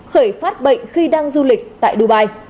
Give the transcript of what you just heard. khởi phát bệnh khi đang du lịch tại dubai